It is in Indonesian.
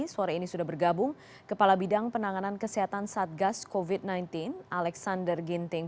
sore ini sudah bergabung kepala bidang penanganan kesehatan satgas covid sembilan belas alexander ginting